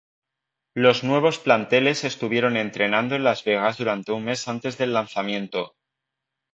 Los nuevos planteles estuvieron entrenando en Las Vegas durante un mes antes del lanzamiento.